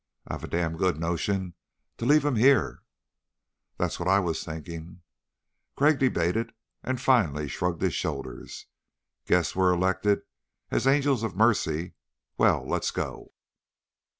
"I've a damned good notion to leave him here." "That's what I was thinking." Crag debated, and finally shrugged his shoulders. "Guess we're elected as angels of mercy. Well, let's go."